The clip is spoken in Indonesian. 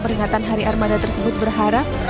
peringatan hari armada tersebut berharap